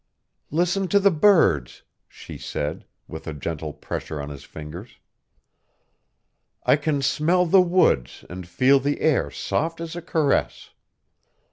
"Listen to the birds," she said, with a gentle pressure on his fingers. "I can smell the woods and feel the air soft as a caress.